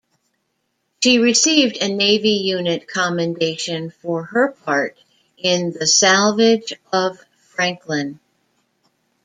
She received a Navy Unit Commendation for her part in the salvage of "Franklin".